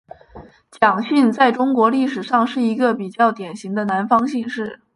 蒋姓在中国历史上是一个比较典型的南方姓氏。